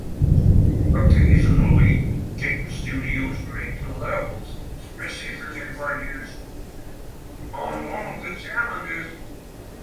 Occasionally, games studios made levels specifically for use on one of the challenges.